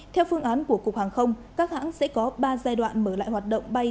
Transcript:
theo phương án của cục hàng không các hãng sẽ có ba giai đoạn mở lại hoạt động bay